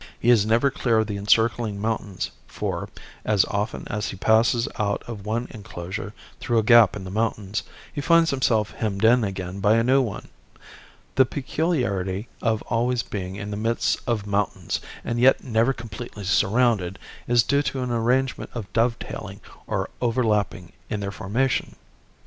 He is never clear of the encircling mountains for, as often as he passes out of one enclosure through a gap in the mountains, he finds himself hemmed in again by a new one. The peculiarity of always being in the midst of mountains and yet never completely surrounded, is due to an arrangement of dovetailing or overlapping in their formation.